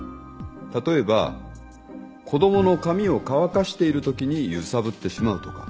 例えば子供の髪を乾かしているときに揺さぶってしまうとか。